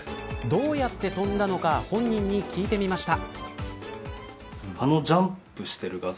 どうやって跳んだのか本人に聞いてみました。